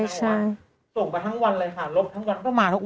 ส่วนเตรียมส่วงไปทั้งวันเลยค่ะรบทั้งวันมันไม่มาทั้งวันค่ะ